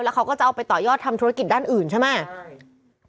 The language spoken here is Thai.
เขาก็จะเอาไปต่อยอดทำธุรกิจด้านอื่นใช่ไหม